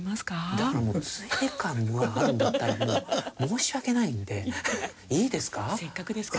だからついで感があるんだったらもう申し訳ないのでいいですか？